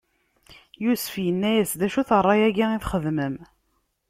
Yusef inna-asen: D acu-t ṛṛay-agi i txedmem?